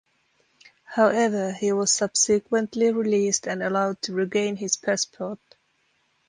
However, he was subsequently released and allowed to regain his passport.